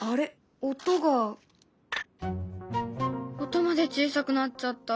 音まで小さくなっちゃった。